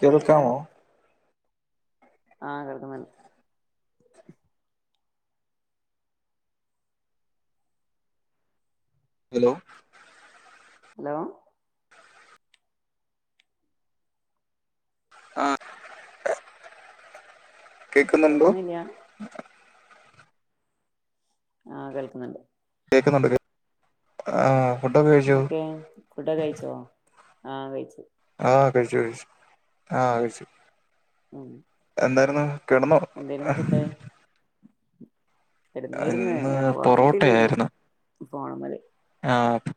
കേൾക്കമോ ആഹ കിടക്കുന്നന്നെ hello hello ആഹ കേക്കുന്നുണ്ടോ കേൾക്കുന്നില്ല ആഹ കേൾക്കുന്നുണ്ട് കേക്കുന്നുണ്ട് ആഹ എന്തൊക്കെ കുട കഴിച്ചോ ആഹ് കഴിച്ചു ആ കഴച്ച കഴച്ച ആഹ കഴച്ച ആ എന്തായിരുന്നു കേടന്നോ കിടന്നായിരുന്നു ഇന്ന് പൊറോട്ടയായിരുന്നു പ്പോ ആണമൽ ആഹ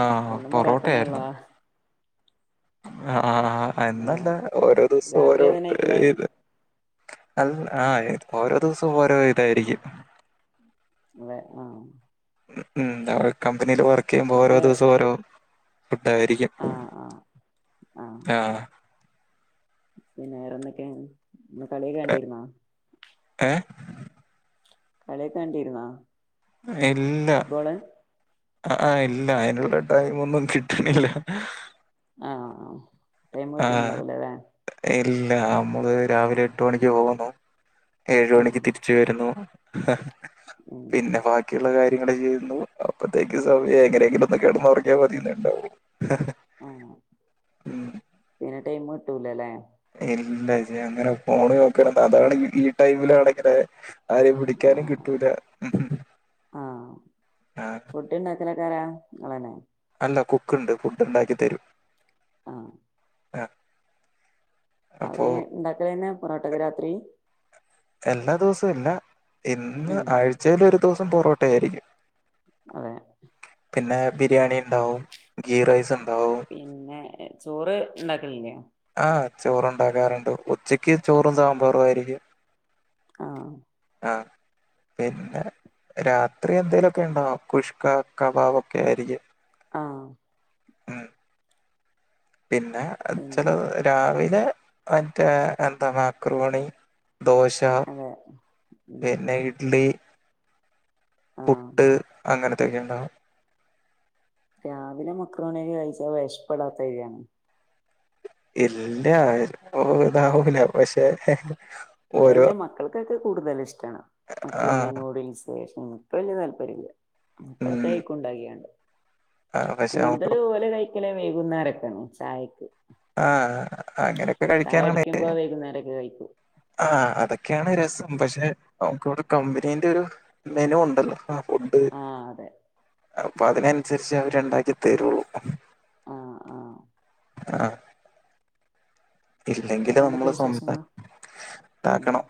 ആഹ എന്നും പൊറോട്ട പൊറാട്ടന്നെള്ളോ ആായിരുന്നു ആഹ ആഹ ആഹ് എന്നല്ലേ ഓരോ ദിവസം രാത്രി ഓരോ അതന്നെ കഴിക്കല് ഇത് അ ആ ഓരോ ദിവസവും ഓരോ ഇതായിരിക്കും അതെ ആഹ ഉം ഉം ഒഴക്കം ൽ വർക്ക് ചെയ്യുമ്പോൾ ഓരോ ഫുഡ് ദിവസം ഓരോ ഫായിരിക്കും ആഹ് ആഹ് ആഹ പിന്ന നേറെന്തൊക്കെയ എന്ന കളി ഏ കണ്ടിരുന്നാ ഏ? കളയക്കാണ്ടിരുന്ന ഇല്ല ആ ഇല്ല അതിനുള്ള ടൈം ഒന്നും കിട്ടണില്ല ആഹ ആ ടൈംട്ടുണ്ടാവല വേ ഇല്ല നമ്മള് രാവിലെ എട്ട് മണിക്ക് പോകുന്നു ഏഴു ഉം മണിക്ക് തിരിച്ചു വരുന്നു ആ ഉം പിന്നെ ബാക്കി കാര്യങ്ങൾ ചെയ്യുന്നു അപ്പത്തേക്ക്ങ്ങനങ്കില ഒ കിടന്ന അവർക്കാ മതിന്ന ഉണ്ടാവു ആഹ് പിന്നെ ടൈം കിട്ടൂലല്ലേ ഇല്ല ജ്യ അങ്ങനെ ഫോണ് നോക്കണ അതാണ് ഈ ടൈമിലാണ ഇങ്ങനെ ആര് പിടിക്കാനും ആഹ് കിട്ടൂല ആ, ഫുട്ടണ്ടക്കന രാ ങ്ങളെന്നെ ല്ല കുക്കുണ്ട് ഫുഡ് ഉണ്ടാക്കി തരും ആഹ് ആ അപ്പോ അവര് ഉണ്ടാക്കലന്നെ പൊറോട്ടക്കെ രാത്രി എല്ലാ ദിവസ ഇല്ല ഇന്ന് ഉം ആഴ്ചലൊരു ദിവസം പൊറോട്ട ആയിരിക്കും അതെ പിന്നെ ബിരിയാണി ഉണ്ടാവും ഗീ റൈസ് ഉണ്ടും പിന്നെ ചോറ് ണ്ടാക്കലില്ലേ ആ ചോറുണ്ടാക്കാറുണ്ട് ഉച്ചക്ക് ചോറും സാമ്പാറുവാരിക്കും ആഹ ആഹ പിന്നെ രാത്രി എന്തേലുമൊക്കെ ഉണ്ടോ കുഷ്ക കബാവ ഒക്കെ ആയിരിക്കും ആഹ ഉം പിന്നെ ചില പിന്നെ രാവിലെ മറ്റ എന്താ മക്രോണി ദോശ അതെ ഉം പിന്നെ ഇഡ്ലി ആഹ് പുട്ട് അങ്ങനെ ത്തേക്കുണ്ടാവും രാവിലെ മക്രോണിയൊക്കെകഴിച്ച വിഷപ്പെടാത്ത വഴയാണ് ഇല്ല ഓ ഇതാവൂല പക്ഷെ ഇവിടെ ഓരോ എന്റെ മക്കൾക്കൊക്കെ കൂടുതൽ ഇഷ്ടമാണ് മക്രോണി ആഹ് നൂഡിൽസ് ഇപ്പ വലിയ താല്പര്യമില്ല ഉം [unintelligible] ആ, പക്ഷെ നമുക്ക് കൂടുതൽ ഓലെ കൈക്കലേ വെയ്കുന്നാരൊക്കാണ് ചായക്ക് ആഹ് അങ്ങനൊക്കെ ചായ കഴിക്കാനാണ് കുടിക്കുമ്പോ വൈകുന്നേരൊക്കെ കഴിക്കും ആ അതൊ ഒക്കെയാണ് രസം പക്ഷെ നമുക്കിവിടെ കമ്പനീന്റെ ഒരു മെനു ഉണ്ടല്ലോ ഒണ്ട് ആഹ് അതെ അപ്പൊ അതിനൻസരിച്ച് അവര് ഇണ്ടാക്കി തരുള്ളു ആ ആഹ് ആഹ് ഇല്ലെങ്കില് വേറെ നമ്മള് എന്തൊക്കെയ സ്വന്ത വിശേഷങ്ങള് ഉം ഇണ്ടാക്കണം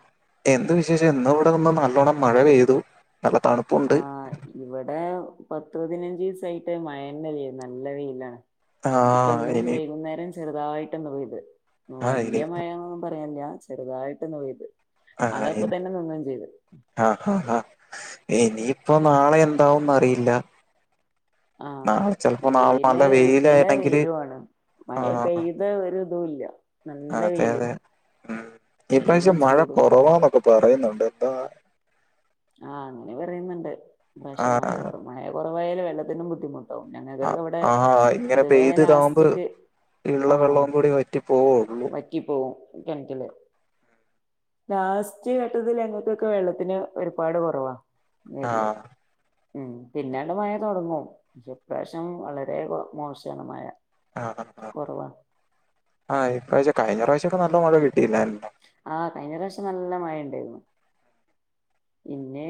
എന്ത് വിശേഷം എന്ന ഇവിടെ നിന്ന് നല്ലോണ്ണം മഴ പെയ്തു നല്ല തണുപ്പുണ്ട് ആ ഇവിടെ പത്ത് പതിനഞ്ചീസ് ആയിട്ട് മയന്നെല്ല നല്ല വെയിലാണ് ആഹ് ഇനി ചെറുതായിട്ട ഒന്ന് പെയ്ത് ആഹ് ഇനി വല്ല്യ മയ പ അപ്പല്ലാ ചെറുതായിട്ട്ന്ന് പെയ്ത് അതപ്പ ആഹ് തന്നെ നിന്നും ചെയ്ത് ആഹ് ഇനിയിപ്പോൊ നാളെ എന്താവുന്ന് അറിയില്ല ആഹ് നാളെ ചെലപ്പോ നാളെ വെയില് നല്ല വെയിലാണെങ്കില് വെയിലു ആണ് മയ ആഹ് പെയ്ത ഒരു തുല്ല അതെ അതെ ഉം വെയിലും ഇപാവ്യം മഴ ചൂടും കുറവാന്നൊക്കെ പറയുന്നുണ്ട് എന്താ ആഹ് അങ്ങനെ പറയുന്നുണ്ട് [unintelligible] ആഹ് മയ കൊർ വായല് വെള്ളത്തിനും ബുദ്ധിമു ട്ട ആ ഞങ്ങക്ക്ക്ക ഇവിടെ ആ ഇങ്ങനെ പൊതുവേ പെയ്ത് ഇതാവുമ്പോ ലാസ്റ്റക്ക് ഇള്ള ആഹ് വെള്ളവും കൂടി വറ്റി പോവുള്ളൂ വറ്റി പോവും കെൺറ്റില് ലാസ്റ്റ് ഘട്ടത്തിൽ അങ്ങത്തൊക്കെ വെള്ളത്തിന് ഒരുപാട് കുറവാ വരല് ആഹ് ഉം പിന്നാട് മഴ തൊട്ങ്ങും പക്ഷെ ഇപ്രാവശ്യം വളരെ മോശാണ് മയ ആഹ് ആഹ് കയിഞ്ഞ റാ മഴ പെയ് ആഹ് കഴിഞ്ഞ പ്രാവശ്യം നല്ല മഴ ഉണ്ടായിരുന്നു പിന്നെ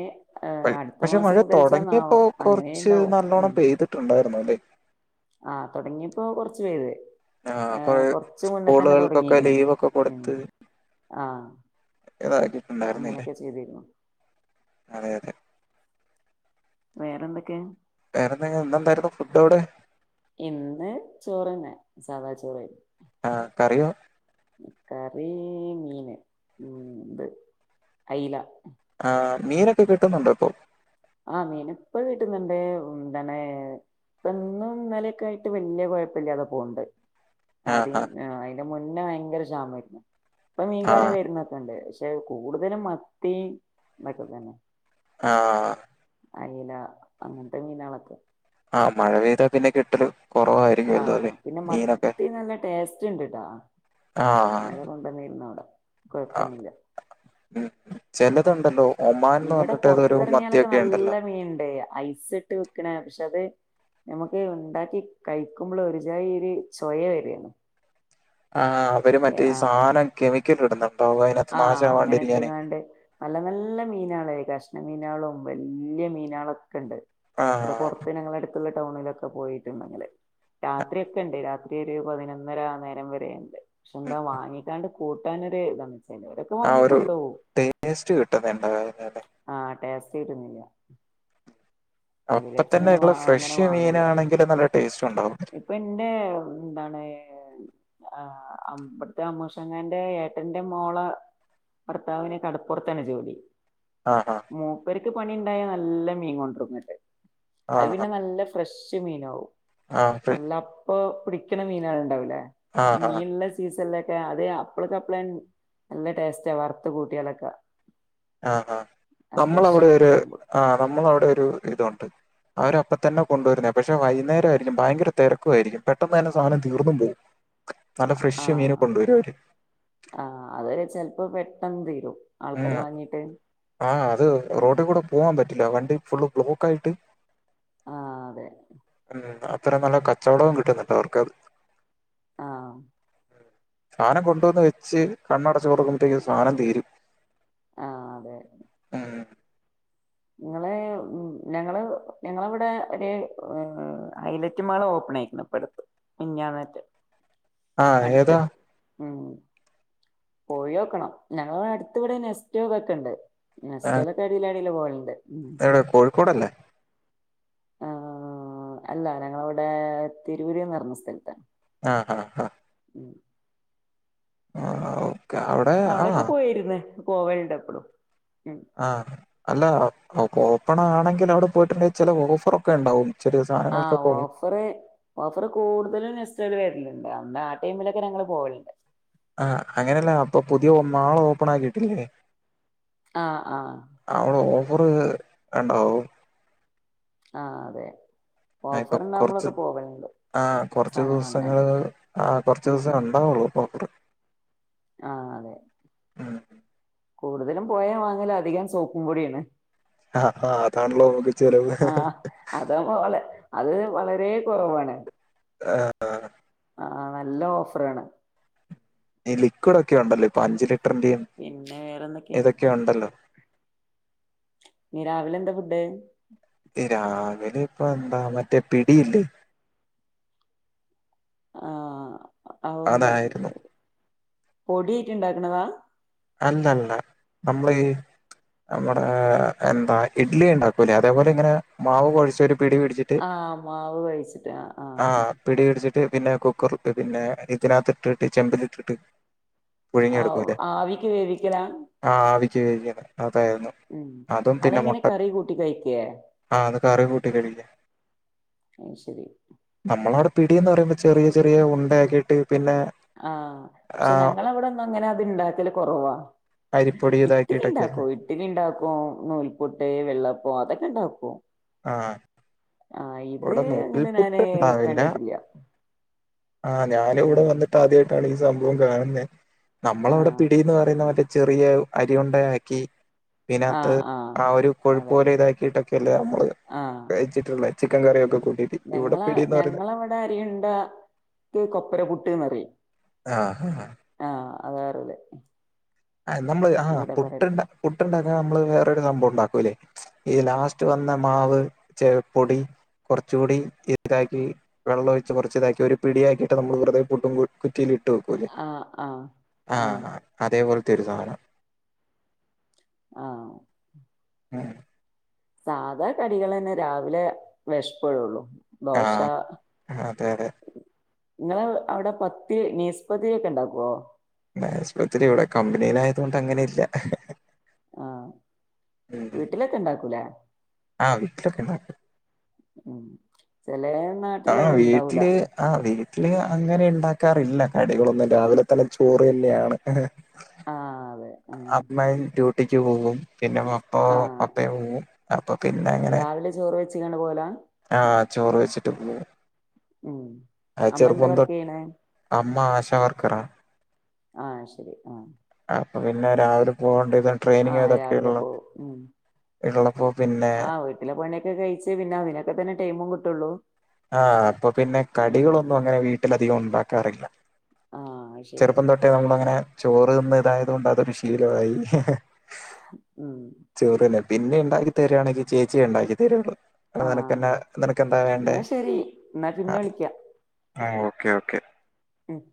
പക്ഷെ മഴ തുടങ്ങിയപ്പോ അങ്ങനെ കുറച്ച് ഉണ്ടാവും നല്ലോണ്ണം പെയ്തിട്ടുണ്ടായിരുന്നു അല്ലേ ആ തുടങ്ങിയപ്പോൊ കുറച്ചു പേര് ആഹ കൊറെ സ്കൂളുകൾക്കൊക്കെ തുടങ്ങിക്ക്ണ് ലീവൊക്കെ ഉം കൊടുത്ത് ആഹ് ഇതാക്കിട്ടുണ്ടായിരുന്നില്ലേ അങ്ങനെയൊക്കെ ചെയ്തിരുന്നു അത അതെ വേറെന്തൊക്കെയാ വേറെ എന്തെങ്കില എന്തന്തായിരുന്നു ഫുഡ് അവിടെ ഇന്ന് ചോറന്നെ സാദാ ചോറ ആഹ കറയോ കറി മീന് ഉം ഇന്ത് അല ആ നീരൊക്കെ കിട്ടുന്നുണ്ട്പ്പൊ ആഹ മീനി ഇപ്പ വീട്ടുന്നുണ്ട്ന്താണ്െ ഇപ്പന്നും ഇന്നലൊക്കെ ആയിട്ട് വലിയ കുഴപ്പില്ലാതെ പോവണ്ട് ആഹ് അതെ ആഹ് ആ മുന്നേ ഭയങ്കര ജാമരുന്നു ഇപ്പ മീൻകാര ആഹ് വരുന്നൊക്കെണ്ട് പക്ഷെ കൂടുതലും മത്തി ഇതൊക്കെ തന്നെ ആഹ അയല അങ്ങനത്തെ മീനളൊക്കെ ആഹ് മഴെയ്താ പിന്നെ കിട്ടലു ആ കുറവായിരിക്കുംല്ലോ അല്ലേ നീനൊക്കെ ചിണ്ടിട്ടാ ഇല്ലെ കൊണ്ടുന്നിയിരുന്നു അവിടെ ആഹ കുഴപ്പൊന്നുമില്ല ഉ ചില ണ്ടല്ലോ ഇവിടെ പുൊറത്തിറങ്ങിയാലൊക്കെ ഉണ്ടല്ലോ നല്ല മീൻണ്ട് ഐസ് ഇട്ട് വെക്കണ പക്ഷെ അത് നമുക്ക് ഉണ്ടാക്കി കഴിക്കുമ്പോൾ ഒരുചായ ഒരു ചോയ വരാണ് ആഹ അവര് മറ്റേ സാധനം രിക്കറ്റ് ഇട ആഹ അങ്ങനെ ഇട്ട്ങ്ങാണ്ട് നല്ല നല്ല മീനാണ് കഷ കഷ്ണ മീനുകളും വലിയ മീനാുകള ണ്ട് ആ ഇവിടെ പുറത്ത് ഞങ്ങളടു ഇുള്ള ടൗണിലൊക്കെ പോയിട്ടുണ്ടെങ്കിൽ രാത്രി ഒക്കെ ഉണ്ട് രാത്രി ഒരു പതിനൊന്നര നേരം വരെെയണ്ട് പക്ഷെ എന്താ ഉം വാങ്ങീട്ടാണ്ട് കൂട്ടാനൻൊ ഒരു ഇതാണ് ചിലവരൊക്കെ ആ ഒരു വാങ്ങിക്കൊണ്ടോവും ടേസ്റ്റ് കിട്ടുന്നു എണ്ട കല്ലേ ചെയട്ടുന്നില്ല അപ്പ തന്നെ ഉ ഫ്രഷ് വാങ്ങൂല മീനാണെങ്കും നല്ല ടേസ്റ്റ് ഉണ്ടാവും ഇപ്പൊ എന്റെ എന്താണ് ആ അവിടത്തെ അമ്മൂഷങ്ങാന്റെ ഏട്ടന്റെ മോള ഭർത്താവിനെ കടപ്പുറത്തന്നെ ജോലി ആഹാ മൂപ്പർ ഇ് പണി ഉണ്ടായാ നല്ല മീൻ കൊണ്ടരന്നട്ട് അത് ആഹാ പിന്നെ നല്ല ഫ്രഷ് ജമീനോ ആ ഫ്രി- എല്ലാപ്പൊ കുടിക്കണ മീന ആൾ ഉണ്ടാവില്ലേ ഇ ആഹാ മീൻല്ല സീസല്ല അത് അപ്പളക്കപ്പള നല്ല ടേസ്റ്റാ വറുത്ത കൂട്ടിയാലൊക്കെ ആഹഹ നമ്മള ഫ്രഷ് അവിടെ ഒരു മീനാവുമ്പോ ആ് നമ്മള അവിടെ ഒരു ഇതുണ്ട് അവരപ്പ തന്നെ കൊണ്ടുവരുന്നേ പക്ഷെ വൈകുന്നേരം ആയിരിക്കും ഭയങ്കര തിരക്കു ആയിരിക്കും പെട്ടെന്ന് തന്നെ സാധനം തീർന്നു പോകും നല്ല ഫ്രഷ മീന ആഹ് കൊണ്ടുവരുവര് തന്ന ഇരു ഉ ആഹ അത് ഉം റോട്ടിൽ കൂടെ പോവാൻ പറ്റും വണ്ടി ഫുള് ബ്ലോക്ക് ആയിട്ട് ആ അതെ ഉം അത്ര നല്ല കച്ചവടവും കിട്ടുന്നുണ്ട്ോ അവർക്ക്ത് ആഹ സാധനം കൊണ്ടുവന്ന് വെച്ച് കണ്ണടച്ചു കൊടുക്കുമ്പോത്തേക്കും സാധനം തീരും ആഹ അതെെ ഉം നിങ്ങള് ഞങ്ങള് ഞങ്ങളവിടെ ഒരു ഹൈലറ്റ് മാള ഓപ്പൺ ആയിക്ക ഇപ്പ അടുത്ത് മഞ്ഞറ്റ് ആഹ ഏതാ ഉ പോയിോക്കണം ഞങ്ങള അടുത്ത് ഇവിടെ നെസ്റ്റോക്ക ഒക്കെ ഇണ്ട് ആ, നഷറ്റൊക്കെ അടിയിലാടില്ലേ പോളെ എവിടെ കോഴിക്കോടല്ലേ ആ അല്ല ഞങ്ങളവിടെ തിരുവൂരിന്ന് പററഞ്ഞ സ്ഥലത്താണ് ആഹ് ആഹ് ആഹ് ഉം ആഹ അവിടെ ആ കോവലടെ അപ്പഴും ആഹ അല്ല അഓ ഓപ്പൺ ആണെങ്കിൽ അവിടെ പോയിട്ടുണ്ടെിൽ ചില ഓഫറൊക്കെ ഉണ്ടാവും ചെറിയ ആഹ സാധനങ്ങൾക്കൊക്കെ ഓഫറ് ഓഫറ് കൂടുതലും നെസ്റ്റൽ വുന്ന അന്ന് ആ ടൈമിലൊക്കെ ഞങ്ങള്ൾ പോവലണ്ട് ആഹ അങ്ങനെയല്ല അപ്പൊ പുതിയ മാള് ഓപ്പൺ ആക്കിട്ടില്ലേ ആഹ ആഹ അറ് ഉണ്ടാവ ആഹ അതെ ആ ഇപ്പൊ കൊറച്ച് ഓഫറുണ്ടാവുമ്പളൊക്കെ പോവലുണ്ട് ആഹ് കുറച്ച് സാധനം വാങ്ങാൻ ദിവസങ്ങള് ആ കുറച്ച് ദിവസം ഉണ്ടാവുള്ളൂ പക്കറ് ആ അതെ ഉം കൂടുതലും പോയാ വാങ്ങല അധികം സോപ്പുംപൊടിയാണ് ആ അതാണല്ലോ നമ്മൾക്ക് ചെലവ് ആഹ് അതാവുമ്പോ വള അത് വളരെ കുറവാണ് ആഹ ആ നല്ല ഓഫറാണ് ഈ ലിക്വിഡക്കെ ഉണ്ടല്ലേ പ അഞ്ച പിന്നെ വേറെന്തൊക്കെയാ ഇതൊക്കെ ഉണ്ടല്ലോ നീ രാവിലെ എന്താ ഫുഡ് രാവിലെ ഇപ്പൊ എന്താ മറ്റേ പിടിയില്ലേ ആഹ അം അതായിരുന്നു പൊടിയിട്ട ഇണ്ടാക്കണതാ അല്ല അല്ല നമ്മളീ നമ്മുടെ എന്താ ഇഡ്ലി ഉണ്ടാക്കൂല്ലേ അതേപോലെ ഇങ്ങനെ മാവ് കുഴിച്ചരു ആഹ് മാവ് കൊഴിച്ചിട്ട് ആഹ് പിടി പിടിച്ചിട്ട് പിന്നെ കുക്കർ പിന്നെ ഇതിനകത്ത് ഇട്ടിട്ട് ചെമ്പില ഇട്ടിട്ട് ആ ആവി വേവിക്കലാണ് അ വിച്ച് കഴിക്കണം ഉം അതെങ്ങനെ കറി കൂട്ടി കഴിക്ക ആഹ് അത് കറി കൂട്ടി കഴിക്ക അ ശരി നമ്മളവിടെ പിടി എന്ന് പറുമ്പോൾ ചെറിയ ചെറിയ ഉണ്ടാക്കിയിട്ട് ആഹ പക്ഷെ ഞങ്ങളവിടെ ഒന്നും അത് ഉണ്ടാക്കൽ കുറവാ അരിപ്പൊടി ഉവ്വ് ഇഡലി ഉണ്ടാക്കൂ ഇതാക്കിയിട്ടൊക്കെയല്ലേ ഇഡ്ഡലി ഉണ്ടാക്കും നൂൽപൊട്ട് വെള്ളപ്പം അതൊക്കെ ഉണ്ടാക്കും അപ്പോ ആഹ ആഹ ഇത് അങ്ങനെ ഞാന് കണ്ടിട്ടില്ല ആഹ് ഞാൻഇവിടെ ആഹ് വന്നിട്ട് ആദ്യമായിട്ടാണ് സംഭവം കാണുന്നേ നമ്മളവിടെ ആഹ് പിടീന്ന് പറയുന്ന മറ്റേ ചെറിയ അരിയുണ്ടയാക്കി ആഹ് ആഹ് ഇതിനകത്ത്ആ ഒരു കൊഴുപ്പ് അതെ പോലെ ഇതാക്കിട്ടൊക്കെല്ലേ നമ്മള് ആഹ് കഴച്ചിട്ടുള്ള ചിക്കൻ കറിയൊക്കെ കൂട്ടിയിട്ട് ഇവിടെ ഞങ്ങള പിടീന്ന് പറയുന്നെ ഞങ്ങളവിടെ അരിയേണ്ട കൊപ്പര പുട്ട് ന്ന് പറിം ആ ആ [unintelligible] ആ നമ്മള് ആ ഇവിടെ പറയല് പുട്ടണ്ട പുട്ടുണ്ടാക്ക നമ്മള് വേറരു സംഭവം ഉണ്ടാക്കുല്ലേ ഈ ലാസ്റ്റ് വന്ന മാവ് ചെപ്പൊടി കുറച്ചുകൂടി ഇതാക്കി വെള്ളം ഒെച്ച് കുറച്ച് ഇതാക്കി ഒരു പിടിയാക്കിട്ട് നമ്മൾ വെറുതെ പുട്ടും റ്റിൽ ഇട്ട് വെക്കുലെ ആഹ് ആഹ് ആ ആഹ് അതെ പോലെത്‌ തിരുതാന ആ ആ സാധാ കടികൾ ന്നെ രാവിലെ വിഷപ്പെടുള്ളു ആ അ അതെ അതെ ങ്ങള് അവിടെ പത്തി നൈസ്പത്തിരി ഒക്കെണ്ടാക്കോ സ്പത്തിരി ഇവിടെ കമ്പനിയിലായതൊണ്ട് അങ്ങനെ ഇല്ല ആഹ വീട്ടിലൊക്കെ ണ്ടാക്കൂലേ ആഹ വീട്ടിലൊക്കെ ഉണ്ടാക്കും ചെലേ ആ നാട്ടില് അത് ഇണ്ടാവൂല വീട്ടില് ആ വീ ട്ടിൽ. അങ്ങനെ ണ്ടാക്കാറില്ല കടികളൊന്നും രാവിലെ തന്നെ ചോറ് തന്നെയാണ് ആഹ് അതെ ഉം അമ്മയും ഡ്യൂട് ട്ടിക്ക്‌ പോകും പിന്നെ പപ്പ ആഹ് പപ്പയും പോവും പ്പൊ പിന്നെ അങ്ങനെ ച്ച്കാണ്ട് പോവാലാ ആ ചോറ് വെച്ചിട്ട് പോവും ഉം അമ്മ ന്താ വർക്കെയ്യണേ ശ വർക്കറാ ആ ശരി ആ അപ്പൊ പിന്നെ രാവിലെ പോകണ്ട് ആഹ് രാവിലെ പോവും ഉ ഉള്ളപ്പോ പിന്നെ ആ് വീട്ടിലെ പണിയൊക്കെ കഴിച്ച് പിന്നെ അതിനൊക്കെ തന്നെ ടൈമും കിട്ടുള്ളൂ ആഹ അപ്പൊ പിന്നെ ഉം കടികളൊന്നും അങ്ങനെ വീട്ടില അധികം ഉണ്ടാക്കാറില്ല ആഹ് ശരി ചെറുപ്പം തൊട്ടേ നമ്മള അങ്ങനെ ചോറ് നിന്ന് ഇതായത് കൊണ്ട് അതൊരു ശീലമായി ഉം ചോറ് തന്നെ പിന്നെ ഉണ്ടാക്കി തരുവാണെങ്കിൽ ചേച്ചിയ ഉണ്ടാക്കി തരയുള്ളൂ ആഹ് നിനക്ക്ന്നാ നിനക്ക്ന്താ വേണ്ടേ എന്നാ ശരി എന്നാ പിന്നെ വിളിക്കാ ആ ഓക്കേ ഓക്കേ ഉം